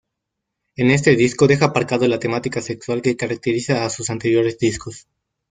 En este disco deja aparcado la temática sexual que caracteriza a sus anteriores discos.